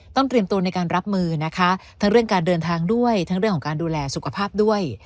เตรียมตัวในการรับมือนะคะทั้งเรื่องการเดินทางด้วยทั้งเรื่องของการดูแลสุขภาพด้วย